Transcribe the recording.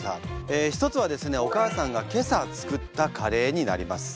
１つはですねお母さんが今朝作ったカレーになります。